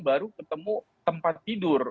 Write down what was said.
baru ketemu tempat tidur